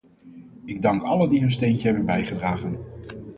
Ik dank allen die hun steentje hebben bijgedragen.